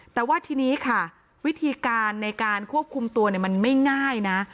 แต่ว่าทีนี้ค่ะวิธีการในการควบคุมตัวมันไม่ง่ายนะ